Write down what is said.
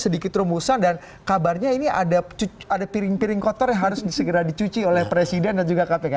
sedikit rumusan dan kabarnya ini ada piring piring kotor yang harus segera dicuci oleh presiden dan juga kpk